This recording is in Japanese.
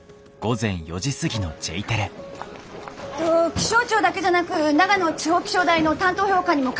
気象庁だけじゃなく長野地方気象台の担当予報官にも確認して。